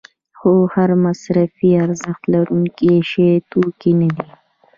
خو هر مصرفي ارزښت لرونکی شی توکی نه دی.